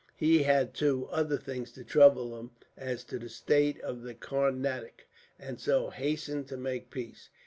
He had, too, other things to trouble him as to the state of the Carnatic, and so hastened to make peace.